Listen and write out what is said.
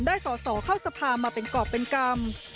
สอสอเข้าสภามาเป็นกรอบเป็นกรรม